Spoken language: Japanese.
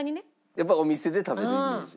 やっぱお店で食べるイメージ？